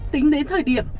tính đến thời điểm